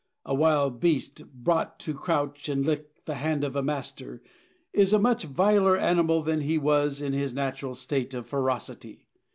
A wild beast brought to crouch and lick the hand of a master, is a much viler animal than he was in his natural state of ferocity.